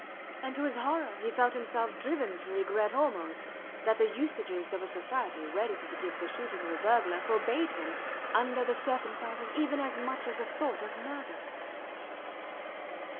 And to his horror he felt himself driven to regret almost that the usages of a society ready to forgive the shooting of a burglar forbade him, under the circumstances, even as much as a thought of murder.